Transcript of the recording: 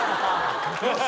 よし！